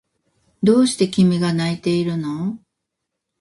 どうして君が泣いているの？